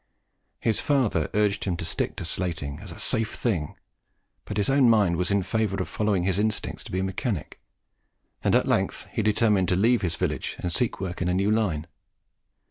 His father urged him to stick to slating as "a safe thing;" but his own mind was in favour of following his instinct to be a mechanic; and at length he determined to leave his village and seek work in a new line.